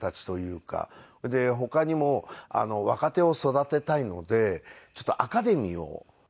それで他にも若手を育てたいのでちょっとアカデミーを。